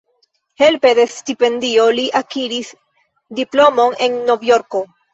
Helpe de stipendio li akiris diplomon en Novjorko.